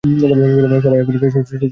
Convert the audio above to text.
সবাই "আবির"-এর বাসায় রাত কাটায়।